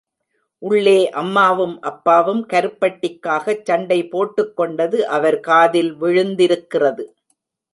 உள்ளே அம்மாவும் அப்பாவும் கருப்பட்டிக்காகச் சண்டை போட்டுக் கொண்டது அவர் காதில் விழுந்திருக்கிறது.